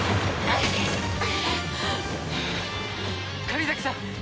狩崎さん！